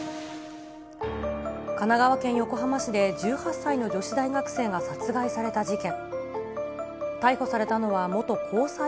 神奈川県横浜市で、１８歳の女子大学生が殺害された事件。